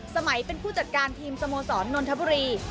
สมัยเป็นผู้จัดการทีมสโมสรนนทบุรี